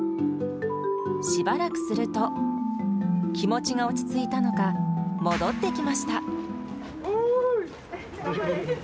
しばらくすると、気持ちが落ち着いたのか、戻ってきました。